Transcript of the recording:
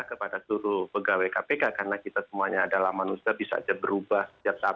kepada seluruh pegawai kpk karena kita semuanya adalah manusia bisa aja berubah setiap saat